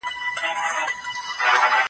د سر مینځل هره ورځ ممکن دی.